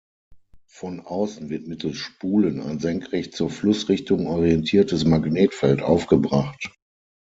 Von außen wird mittels Spulen ein senkrecht zur Flussrichtung orientiertes Magnetfeld aufgebracht.